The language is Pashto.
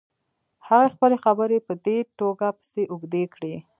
هغه خپلې خبرې په دې توګه پسې اوږدې کړې.